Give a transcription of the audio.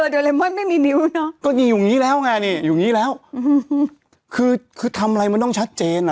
โดเรมอนไม่มีนิ้วเนอะก็นี่อยู่อย่างงี้แล้วไงนี่อยู่อย่างงี้แล้วอืมคือคือทำอะไรมันต้องชัดเจนอ่ะ